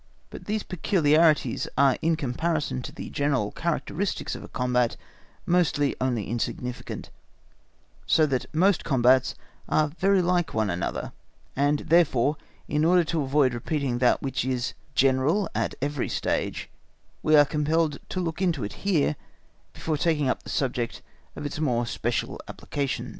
But these peculiarities are in comparison to the general characteristics of a combat mostly only insignificant, so that most combats are very like one another, and, therefore, in order to avoid repeating that which is general at every stage, we are compelled to look into it here, before taking up the subject of its more special application.